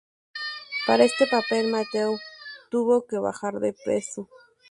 Para este papel Matthew tuvo que bajar de peso.